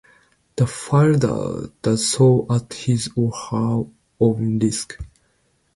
The fielder does so at his or her own risk.